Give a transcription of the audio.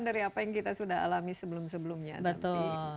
dari apa yang kita sudah alami sebelum sebelumnya